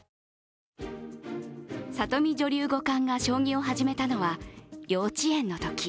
里見女流五冠が将棋を始めたのは幼稚園のとき。